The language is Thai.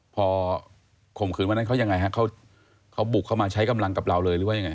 พอข่มขืนวันนั้นเขายังไงฮะเขาบุกเข้ามาใช้กำลังกับเราเลยหรือว่ายังไง